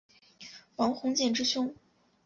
王鸿渐之兄。